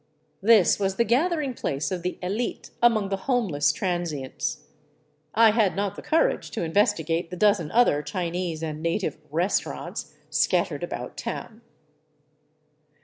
This was the gathering place of the elite among the homeless transients. I had not the courage to investigate the dozen other Chinese and native " restaurants " scattered about town.